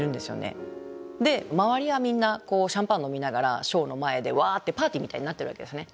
で周りはみんなシャンパン飲みながらショーの前でワーってパーティーみたいになってるわけですね。